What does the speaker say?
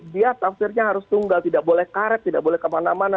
dia tafsirnya harus tunggal tidak boleh karet tidak boleh kemana mana